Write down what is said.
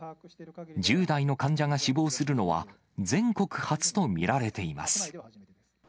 １０代の患者が死亡するのは全国初と見られています。